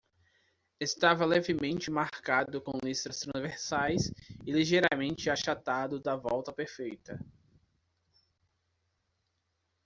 Estava levemente marcado com listras transversais e ligeiramente achatado da volta perfeita.